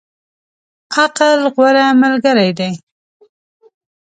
عقل، غوره ملګری دی.